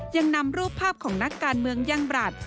ยังนำรูปภาพของนักการเมืองยังบรัฐ